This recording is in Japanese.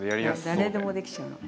誰でもできちゃうの。